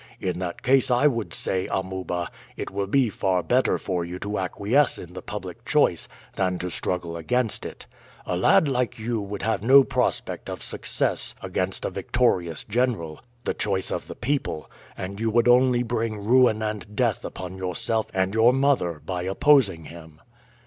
In that case I would say, Amuba, it will be far better for you to acquiesce in the public choice than to struggle against it. A lad like you would have no prospect of success against a victorious general, the choice of the people, and you would only bring ruin and death upon yourself and your mother by opposing him.